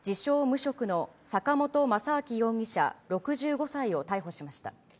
無職の坂本雅章容疑者６５歳を逮捕しました。